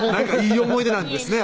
いい思い出なんですね